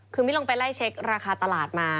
คือมิ้นลงไปไล่เช็คราคาตลาดมา